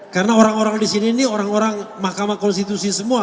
karena orang orang di sini ini orang orang mahkamah konstitusi semua